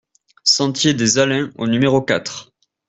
Sentier des Alains au numéro quatre